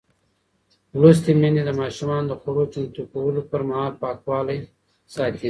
لوستې میندې د ماشومانو د خوړو چمتو کولو پر مهال پاکوالی ساتي.